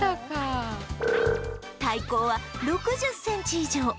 体高は６０センチ以上